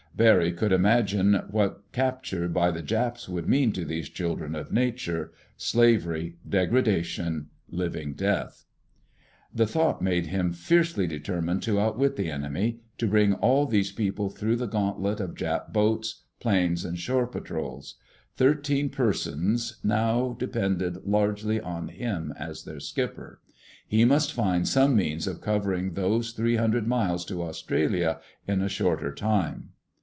Barry could imagine what capture by the Japs would mean to these children of nature—slavery, degradation, living death! The thought made him fiercely determined to outwit the enemy, to bring all these people through the gantlet of Jap boats, planes, and shore patrols. Thirteen persons now depended largely on him as their skipper. He must find some means of covering those three hundred miles to Australia in a shorter time.